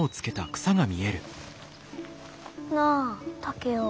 なあ竹雄。